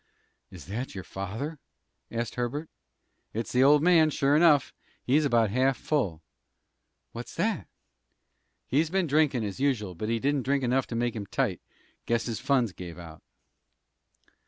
"Is that your father?" asked Herbert. "It's the old man, sure enough. He's about half full." "What's that?" "He's been drinkin', as usual; but he didn't drink enough to make him tight. Guess his funds give out."